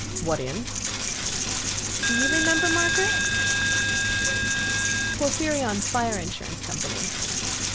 "What in?" "Do you remember, Margaret?" "Porphyrion Fire Insurance Company."